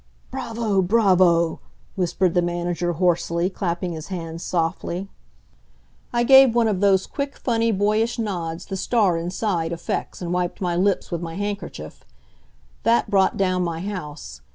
"Bravo! bravo!" whispered the manager, hoarsely, clapping his hands softly. I gave one of those quick, funny, boyish nods the star inside affects and wiped my lips with my handkerchief. That brought down my house.